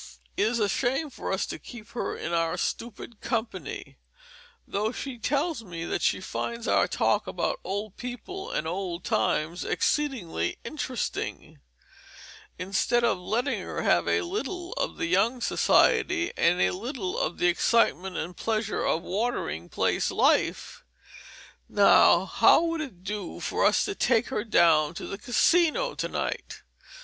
It is a shame for us to keep her in our stupid company though she tells me that she finds our talk about old people and old times exceedingly interesting instead of letting her have a little of the young society and a little of the excitement and pleasure of watering place life. Now, how would it do for us to take her down to the Casino to night?